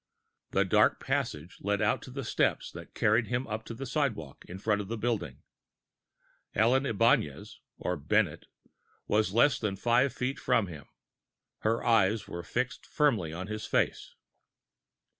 The dark passage led out to steps, that carried him up to the sidewalk, in front of the building. Ellen Ibañez or Bennett was less than five feet from him, and her eyes were fixed firmly on his face.